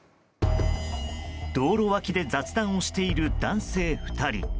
道路脇で雑談をしている男性２人。